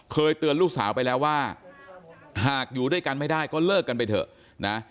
เคยเตือนลูกสาวไปแล้วว่าหากอยู่ด้วยกันไม่ได้ก็เลิกกันไปเถอะนะ